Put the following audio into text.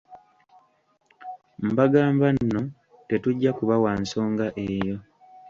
Mbagamba nno, tetujja kubawa nsonga eyo.